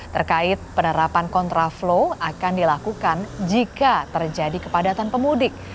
terkait penerapan kontraflow akan dilakukan jika terjadi kepadatan pemudik